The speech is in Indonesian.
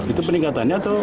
itu peningkatannya atau